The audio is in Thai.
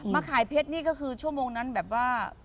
ขายเพชรนี่ก็คือชั่วโมงนั้นแบบว่า